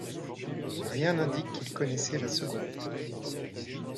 Rien n'indique qu'il connaissait la seconde.